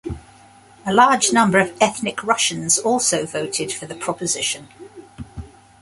A large number of ethnic Russians also voted for the proposition.